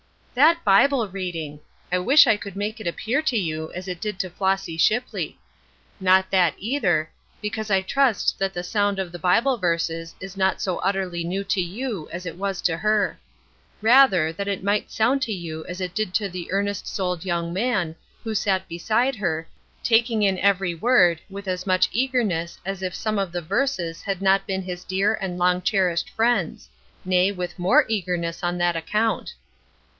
That Bible reading! I wish I could make it appear to you as it did to Flossy Shipley. Not that either, because I trust that the sound of the Bible verses is not so utterly new to you as it was to her rather, that it might sound to you as it did to the earnest souled young man who sat beside her, taking in ever; word with as much eagerness as if some of the verses had not been his dear and long cherished friends; nay, with more eagerness on that account.